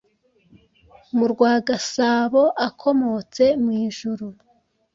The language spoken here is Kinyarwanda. mu rwa Gasabo akomotse mu ijuru